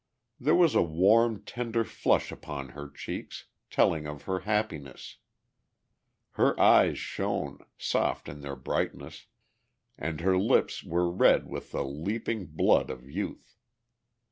There was a warm, tender flush upon her cheeks telling of her happiness. Her eyes shone, soft in their brightness, and her lips were red with the leaping blood of youth.